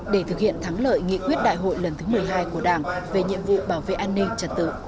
để thực hiện thắng lợi nghị quyết đại hội lần thứ một mươi hai của đảng về nhiệm vụ bảo vệ an ninh trật tự